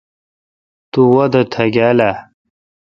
تو وادہ تیاگال اہ؟